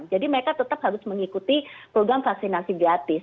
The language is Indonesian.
jadi mereka tetap harus mengikuti program vaksinasi gratis